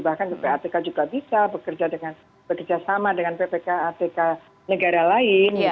bahkan ppatk juga bisa bekerjasama dengan ppatk negara lain